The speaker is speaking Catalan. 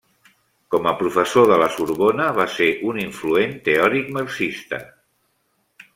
Com a professor de La Sorbona, va ser un influent teòric marxista.